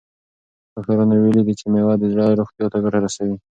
ډاکټرانو ویلي دي چې مېوه د زړه روغتیا ته ګټه رسوي.